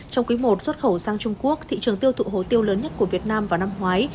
trong quý i xuất khẩu sang trung quốc thị trường tiêu thụ hố tiêu lớn nhất của việt nam vào năm ngoái